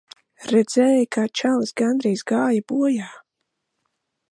Redzēji, kā čalis gandrīz gāja bojā.